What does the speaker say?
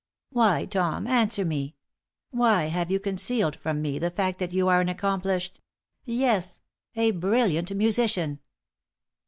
Why, Tom answer me! why have you concealed from me the fact that you are an accomplished yes, a brilliant musician?